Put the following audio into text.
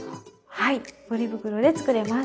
はいポリ袋で作れます。